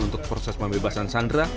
untuk proses pembebasan sandra